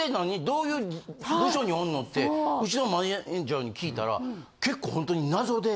どういう部署におんのってうちのマネージャーに聞いたら結構ほんとに謎で。